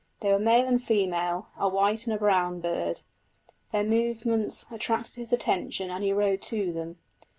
They were male and female a white and a brown bird. Their movements attracted his attention and he rode to them.